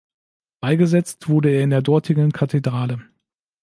Beigesetzt wurde er in der dortigen Kathedrale.